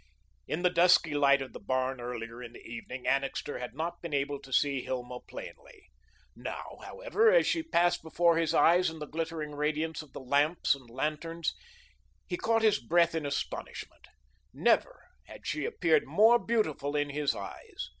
In the dusky light of the barn earlier in the evening, Annixter had not been able to see Hilma plainly. Now, however, as she passed before his eyes in the glittering radiance of the lamps and lanterns, he caught his breath in astonishment. Never had she appeared more beautiful in his eyes.